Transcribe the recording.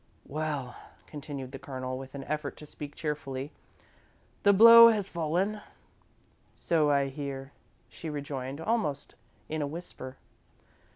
"Well," continued the Colonel, with an effort to speak cheerfully, "the blow has fallen." "So I hear," she rejoined, almost in a whisper.